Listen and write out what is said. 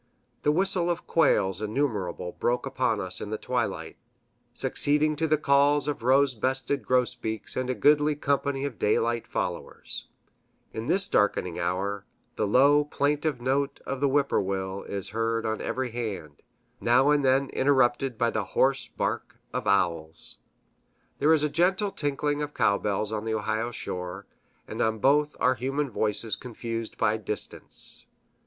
The whistle of quails innumerable broke upon us in the twilight, succeeding to the calls of rose breasted grosbeaks and a goodly company of daylight followers; in this darkening hour, the low, plaintive note of the whip poor will is heard on every hand, now and then interrupted by the hoarse bark of owls. There is a gentle tinkling of cowbells on the Ohio shore, and on both are human voices confused by distance.